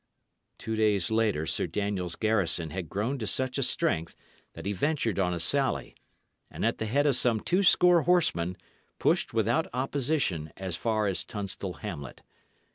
Two days later Sir Daniel's garrison had grown to such a strength that he ventured on a sally, and at the head of some two score horsemen, pushed without opposition as far as Tunstall hamlet.